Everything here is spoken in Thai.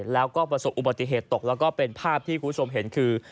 แล้วก็ประสบอุบัติเหตุตกแล้วก็เป็นภาพที่คุณผู้ชมเห็นคือ